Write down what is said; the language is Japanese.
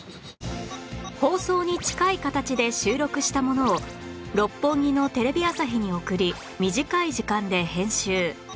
放送に近い形で収録したものを六本木のテレビ朝日に送り短い時間で編集